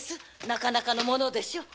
なかなかのものでしょう。